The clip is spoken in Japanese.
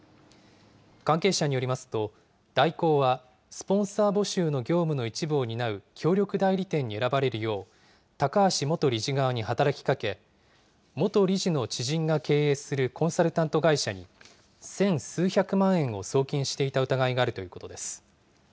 関係者によりますと、大広はスポンサー募集の業務の一部を担う協力代理店に選ばれるよう高橋元理事側に働きかけ、元理事の知人が経営するコンサルタント会社に、千数百万円を送金していた疑いがあるということです。